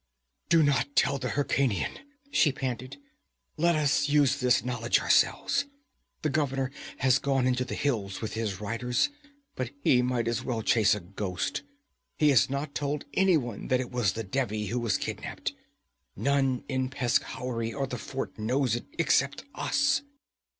'Do not tell the Hyrkanian!' she panted. 'Let us use this knowledge ourselves! The governor has gone into the hills with his riders, but he might as well chase a ghost. He has not told anyone that it was the Devi who was kidnapped. None in Peshkhauri or the fort knows it except us.'